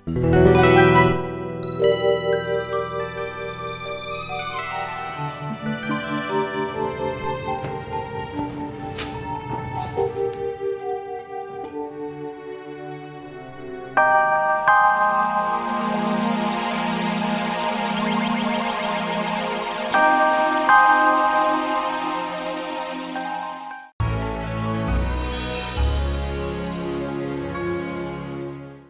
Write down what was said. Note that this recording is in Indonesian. ibu sama bapak becengek